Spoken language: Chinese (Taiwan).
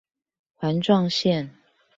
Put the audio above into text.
環狀線